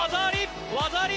技あり！